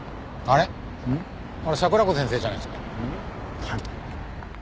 あれ桜子先生じゃないですか？